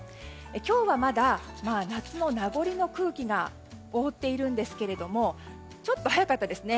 今日はまだ夏の名残の空気が覆っているんですけれどもちょっと早かったですね。